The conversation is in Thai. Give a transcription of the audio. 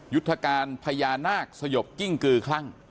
ยุทธการพญานาคสยบกิ้งกือคลั่ง